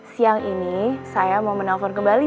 siang ini saya mau menelpon kembali